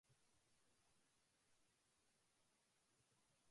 毎日持ち運んでも気にならない大きさだったから僕はずっと持ち歩いていた